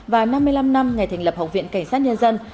và năm mươi năm năm ngày thành lập học viện cảnh sát nhân dân